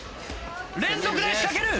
連続で仕掛ける！